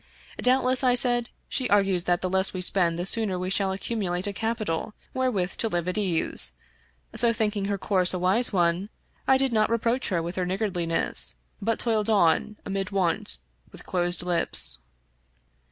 Doubtless, I said, she argues that the less we spend the sooner we shall accumulate a capital wherewith to live at ease ; so, thinking her course a wise one, I did not reproach her with her niggardliness, but toiled on, amid want, with closed lips.